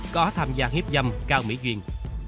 có tham gia hiếp dâm cao mỹ duyên